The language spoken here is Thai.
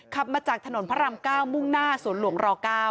ขับมาจากถนนพระราม๙มุ่งหน้าสวนหลวงร๙